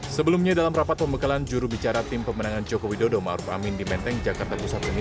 sebelumnya dalam rapat pembekalan jurubicara tim pemenangan joko widodo maruf amin di menteng jakarta pusat ini